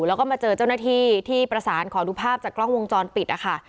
แล้วก็มาเจอเจ้าหน้าที่ที่ประสานขอดูภาพจากกล้องวงจรปิดนะคะ